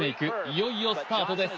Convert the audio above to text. いよいよスタートです